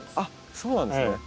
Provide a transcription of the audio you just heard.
そうなんですね。